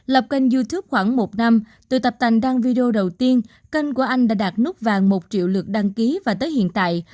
lập kênh youtube khoảng một năm từ tập tành đăng video đầu tiên kênh của anh đã đạt núp vàng một triệu lượt đăng ký và tới hiện tại